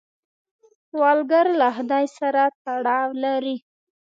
سوالګر له خدای سره تړاو لري